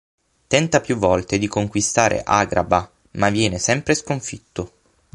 Tenta più volte di conquistare Agrabah, ma viene sempre sconfitto.